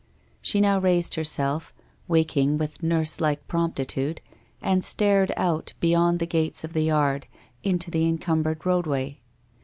She now raised herself, waking with nurse like promptitude, and stared out beyond the gates of the yard, into the en cumbered roadway.